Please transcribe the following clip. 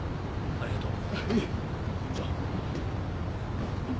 ありがとう。